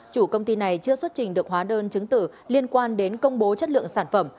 chủ công ty này chưa xuất trình được hóa đơn chứng tử liên quan đến công bố chất lượng sản phẩm